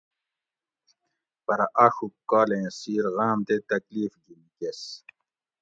پرہ آۤشوگ کال ایں سیر غام تے تکلیف گی نیکیس